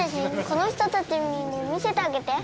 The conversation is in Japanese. この人たちにも見せてあげて。